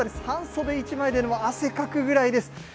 半袖１枚でも汗かくぐらいです。